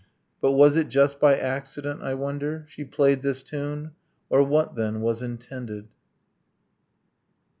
. But was it just by accident, I wonder, She played this tune? Or what, then, was intended?